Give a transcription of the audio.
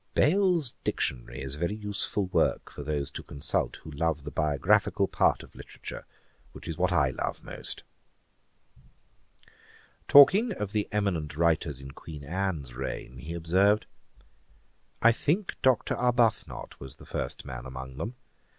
'Bayle's Dictionary is a very useful work for those to consult who love the biographical part of literature, which is what I love most.' Talking of the eminent writers in Queen Anne's reign, he observed, 'I think Dr. Arbuthnot the first man among them.